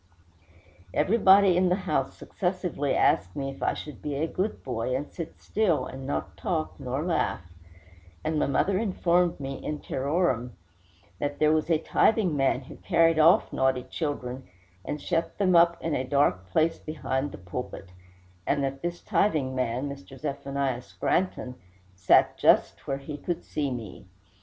Everybody in the house successively asked me if I should be a good boy, and sit still, and not talk, nor laugh; and my mother informed me, in terrorem, that there was a tithing man, who carried off naughty children, and shut them up in a dark place behind the pulpit; and that this tithing man, Mr. Zephaniah Scranton, sat just where he could see me.